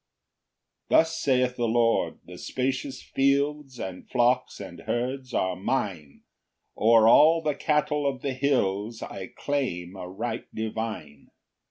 1 Thus saith the Lord, "the spacious fields "And flocks and herds are mine "O'er all the cattle of the hills "I claim a right divine.